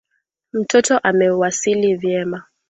Mtoto amewasili vyema